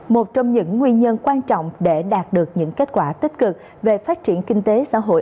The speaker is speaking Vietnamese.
một trong những nguyên nhân quan trọng để đạt được những kết quả tích cực về phát triển kinh tế xã hội